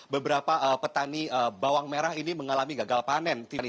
beberapa petani bawang merah ini mengalami gagal panen